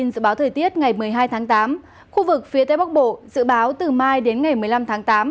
dự báo thời tiết ngày một mươi hai tháng tám khu vực phía tây bắc bộ dự báo từ mai đến ngày một mươi năm tháng tám